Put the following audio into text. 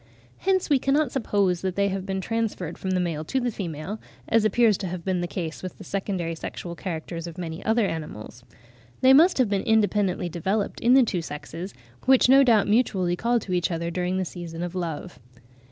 Hence we cannot suppose that they have been transferred from the male to the female, as appears to have been the case with the secondary sexual characters of many other animals. They must have been independently developed in the two sexes, which no doubt mutually call to each other during the season of love.